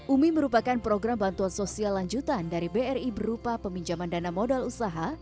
umi merupakan program bantuan sosial lanjutan dari bri berupa peminjaman dana modal usaha